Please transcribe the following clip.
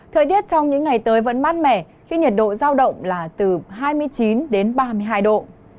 thời tiết trong những ngày tới vẫn mát mẻ khi nhiệt độ giao động là từ hai mươi chín đến ba mươi hai độ